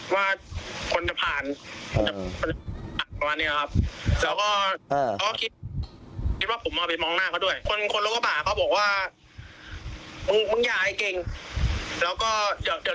มึงจะถ่ายอะไรกันมึงไม่เห็นเหรอ